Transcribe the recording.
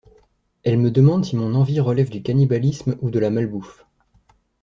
Elle me demande si mon envie relève du cannibalisme ou de la malbouffe.